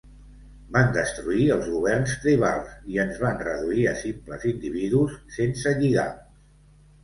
Van destruir els governs tribals i ens van reduir a simples individus sense lligams.